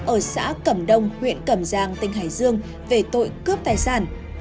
ở xã cẩm đông huyện cẩm giang tỉnh hải dương về tội cướp tài sản